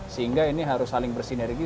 sehingga ini harus saling bersinergi